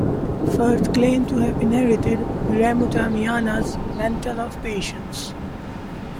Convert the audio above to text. Firth claimed to have inherited Wiremu Tamihana's "mantle of patience".